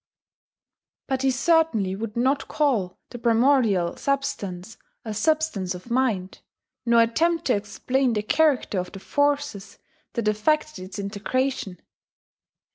But he certainly would not call that primordial substance a substance of mind, nor attempt to explain the character of the forces that effected its integration.